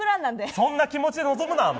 そんな気持ちで臨むな！